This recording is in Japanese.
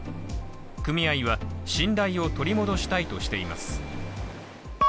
組合は信頼を取り戻したいとしています。